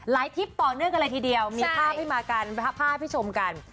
ทริปต่อเนื่องกันเลยทีเดียวมีภาพให้มากันภาพให้ชมกัน